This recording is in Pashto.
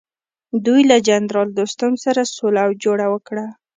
دوی له جنرال دوستم سره سوله او جوړه وکړه.